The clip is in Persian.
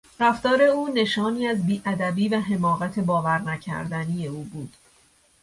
رفتار او نشانی از بیادبی و حماقت باورنکردنی او بود.